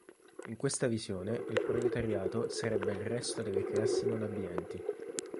In questa visione, il proletariato sarebbe il resto delle classi non abbienti.